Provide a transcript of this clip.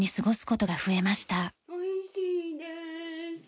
おいしいです。